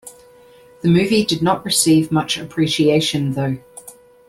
The movie did not receive much appreciation though.